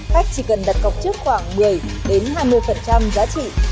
khách chỉ cần đặt cọc trước khoảng một mươi hai mươi giá trị